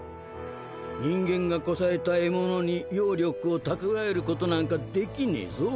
人間がこさえた得物に妖力を蓄えることなんかできねぇぞ。